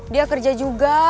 dia kerja juga